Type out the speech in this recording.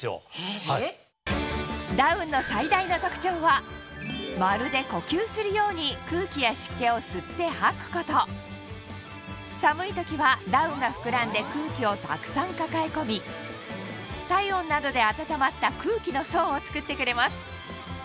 ダウンの最大の特長はまるで呼吸するように寒い時はダウンが膨らんで空気をたくさん抱え込み体温などで暖まった空気の層をつくってくれます